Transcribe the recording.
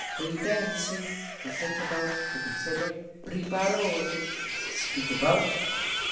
"Pripensi", to think about, to consider. "Priparoli", to speak about.